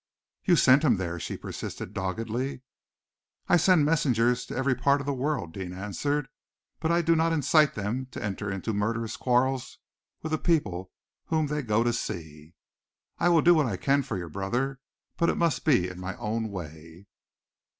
"You sent him there," she persisted doggedly. "I send messengers to every part of the world," Deane answered, "but I do not incite them to enter into murderous quarrels with the people whom they go to see. I will do what I can for your brother, but it must be in my own way."